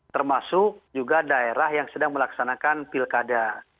termasuk juga daerah yang sedang melaksanakan pilkada